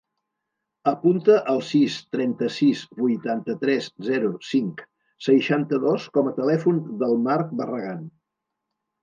Apunta el sis, trenta-sis, vuitanta-tres, zero, cinc, seixanta-dos com a telèfon del Marc Barragan.